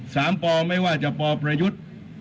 ปไม่ว่าจะปประยุทธ์